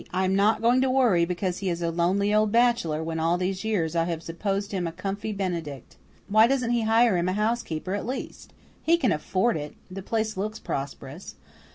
"I am not going to worry because he is a lonely old bachelor when all these years I have supposed him a comfy Benedict. Why doesn't he hire him a housekeeper, at least? He can afford it; the place looks prosperous.